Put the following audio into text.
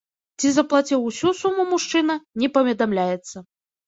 Ці заплаціў усю суму мужчына, не паведамляецца.